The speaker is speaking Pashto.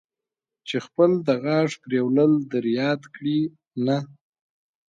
چې خپل د غاښ پرېولل در یاد کړي، نه.